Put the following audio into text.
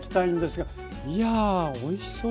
いやおいしそう！